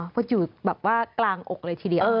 เพราะอยู่แบบว่ากลางอกเลยทีเดียว